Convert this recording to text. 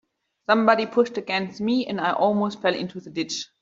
Somebody pushed against me, and I almost fell into the ditch.